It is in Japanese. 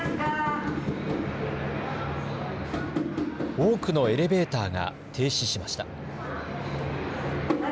多くのエレベーターが停止しました。